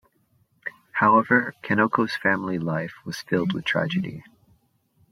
However, Kanoko's family life was filled with tragedy.